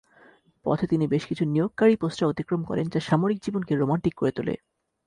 পথে তিনি বেশ কিছু নিয়োগকারী পোস্টার অতিক্রম করেন যা সামরিক জীবনকে রোমান্টিক করে তোলে।